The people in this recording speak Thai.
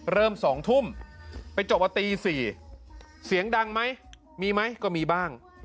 เริ่ม๒ทุ่มไปจบมาตี๔เสียงดังไหมมีไหมก็มีบ้าง